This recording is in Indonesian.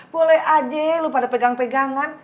boleh aja lu pada pegang pegangan